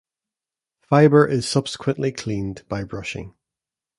Fibre is subsequently cleaned by brushing.